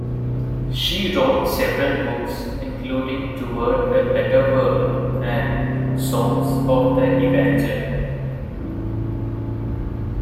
She wrote several books, including "Toward a Better World" and "Songs of the Evangel".